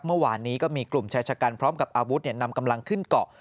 เมื่อวานนี้ก็มีกลุ่มชายชะกันพร้อมกับอาวุธนำกำลังขึ้นเกาะ